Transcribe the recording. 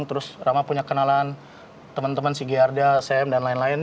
terus rama punya kenalan temen temen sigi arda sam dan lain lain